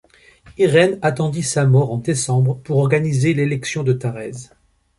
Irène attendit sa mort, en décembre, pour organiser l'élection de Taraise.